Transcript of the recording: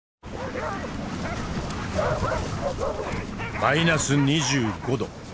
マイナス２５度。